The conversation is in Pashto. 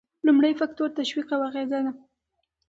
لومړی فکتور تشویق او اغیزه ده.